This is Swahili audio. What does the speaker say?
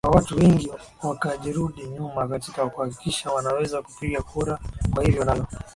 kwa watu wengi wakajirudi nyuma katika kuhakikisha wanaweza kupiga kura kwa hivyo nalo